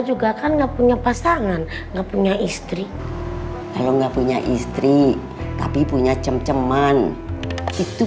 juga kan enggak punya pasangan enggak punya istri kalau enggak punya istri tapi punya cem ceman itu